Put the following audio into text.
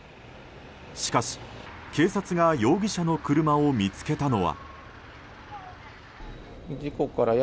しかし、警察が容疑者の車を見つけたのは。